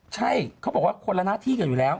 ใช่เขาบอกว่าคนละหน้าที่กันอยู่แล้ว